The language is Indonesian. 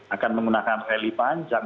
akan menggunakan rally panjang